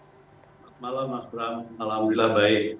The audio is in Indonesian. selamat malam mas bram alhamdulillah baik